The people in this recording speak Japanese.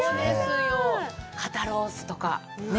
肩ロースとかね。